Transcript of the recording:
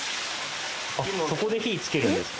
ここで火点けるんですか。